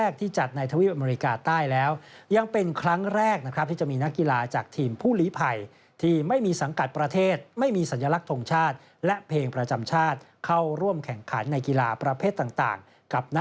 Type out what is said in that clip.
ขณะที่นักกีฬาผู้ลิภัยที่ร่วมแข่งขัน